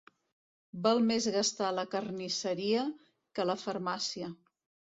Val més gastar a la carnisseria que a la farmàcia.